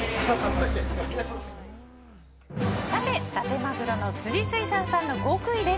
さて、だてまぐろの辻水産さんの極意です。